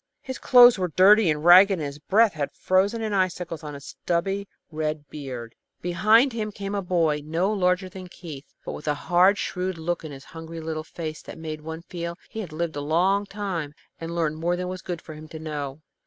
His clothes were dirty and ragged, and his breath had frozen in icicles on his stubby red beard. Behind him came a boy no larger than Keith, but with a hard, shrewd look in his hungry little face that made one feel he had lived a long time and learned more than was good for him to know.